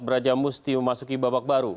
brajam musti memasuki babak baru